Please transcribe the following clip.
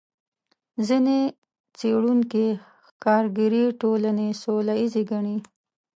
ځینې څېړونکي ښکارګرې ټولنې سوله ییزې ګڼي.